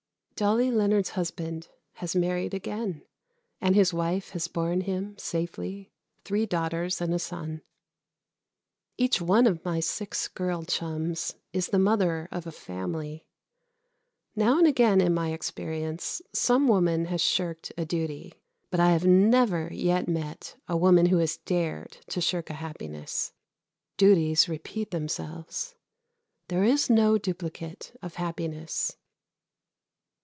Dolly Leonard's husband has married again, and his wife has borne him safely three daughters and a son. Each one of my six girl chums is the mother of a family. Now and again in my experience some woman has shirked a duty. But I have never yet met a woman who dared to shirk a happiness. Duties repeat themselves. There is no duplicate of happiness.